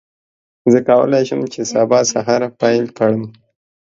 زه کولی شم چې سبا سهار پیل کړم.